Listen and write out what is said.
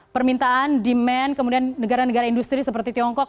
permintaan demand kemudian negara negara industri seperti tiongkok